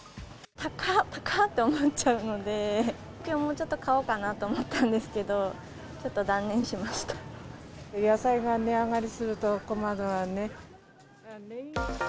高って、思っちゃうので、きょうもちょっと買おうかなと思ったん野菜が値上がりすると困るわね。